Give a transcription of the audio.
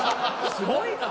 すごいな。